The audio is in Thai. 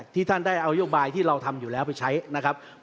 ท่านได้เอานโยบายที่เราทำอยู่แล้วไปใช้นะครับ